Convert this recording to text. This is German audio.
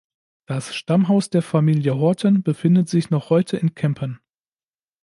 Das Stammhaus der Familie Horten befindet sich noch heute in Kempen.